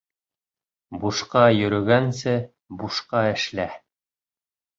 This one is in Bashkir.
Бушҡа йөрөгәнсе, бушҡа эшлә.